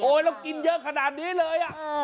แล้วกินเยอะขนาดนี้เลย